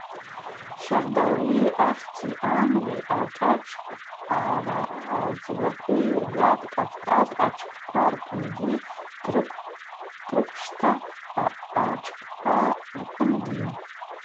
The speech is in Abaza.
Щардагӏвы ахьти, амли, ашӏашӏкӏгӏара згӏвакви йыргатӏ Кӏавкӏаз атшпква рпынгьи Трыквшта атшпква рпынгьи.